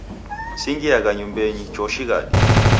Singhiagha nyumbenyi, choo shighadi.